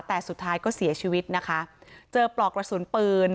แต่สุดท้ายก็เสียชีวิตนะคะเจอปลอกกระสุนปืน